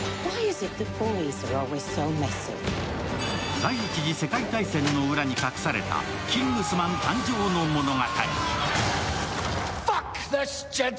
第一次世界大戦の裏に隠されたキングスマン誕生の物語。